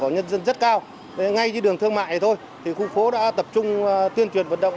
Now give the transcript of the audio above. ngay trên đường thương mại này thôi khu phố đã tập trung tuyên truyền vận động